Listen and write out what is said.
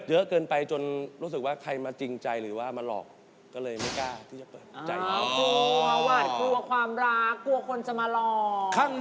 เยอะเกินไปจนรู้สึกว่าใครมาจริงใจหรือว่ามาหลอก